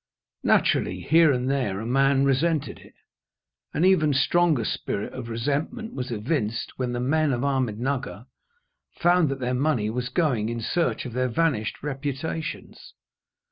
Naturally, here and there, a man resented it. An even stronger spirit of resentment was evinced when the men of Ahmednugger found that their money was going in search of their vanished reputations.